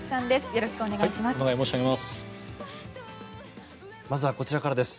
よろしくお願いします。